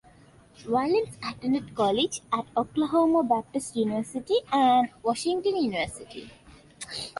Wallace attended college at Oklahoma Baptist University and Washington University.